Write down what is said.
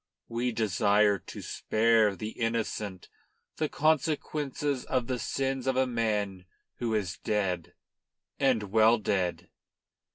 We desire to spare the innocent the consequences of the sins of a man who is dead, and well dead."